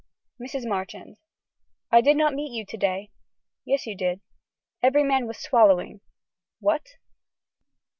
(Mrs. Marchand.) I did not meet you to day. Yes you did. Every man swallowing. What.